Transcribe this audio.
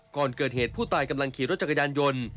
ก่อนเกิดเหตุผู้ตายกำลังขี่รถจักรยานยนต์